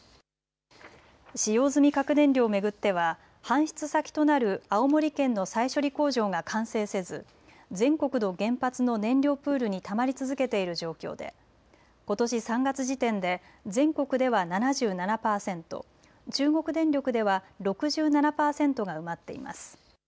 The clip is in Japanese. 使用済み核燃料を巡っては搬出先となる青森県の再処理工場が完成せず、全国の原発の燃料プールにたまり続けている状況でことし３月時点で全国では７７％、中国電力では６７％が埋まっています。